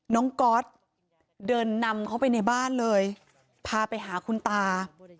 ก๊อตเดินนำเข้าไปในบ้านเลยพาไปหาคุณตา